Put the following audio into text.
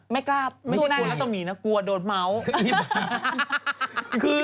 ไม่กล้าบสู้หน้าอย่างนี้คือยังไงอ่ะคือ